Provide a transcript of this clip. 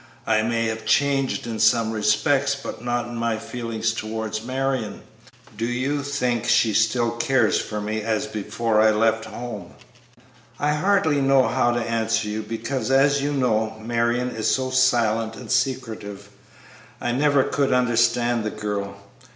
I may have changed in some respects, but not in my feelings towards Marion. I will ask you a question, mother: Do you think she still cares for me as before I left home?" "I hardly know how to answer you, because, as you know, Marion is so silent and secretive. I never could understand the girl.